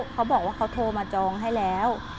เขาบอกว่าเขาโทรมาจองให้แล้ว